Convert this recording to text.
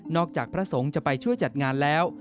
จากพระสงฆ์จะไปช่วยจัดงานแล้ว